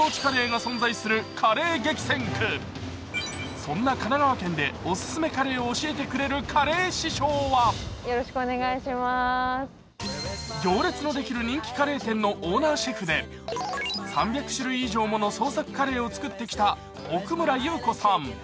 そんな神奈川県でオススメカレーを教えてくれるカレー師匠は、行列のできる人気カレー店のオーナーシェフで３００種類以上もの創作カレーを作ってきた奥村佑子さん。